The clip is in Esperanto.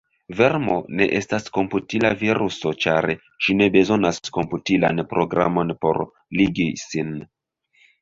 Vermo ne estas komputila viruso ĉar ĝi ne bezonas komputilan programon por ligi sin.